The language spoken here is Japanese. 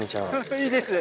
いいですね。